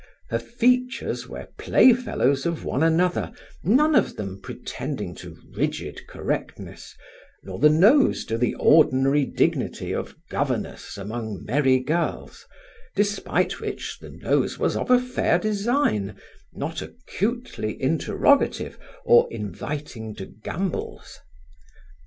Her features were playfellows of one another, none of them pretending to rigid correctness, nor the nose to the ordinary dignity of governess among merry girls, despite which the nose was of a fair design, not acutely interrogative or inviting to gambols.